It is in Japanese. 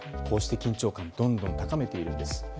こうして緊張感をどんどん高めているんです。